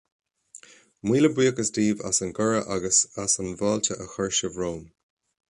Míle buíochas daoibh as an gcuireadh agus as an bhfáilte a chuir sibh romham.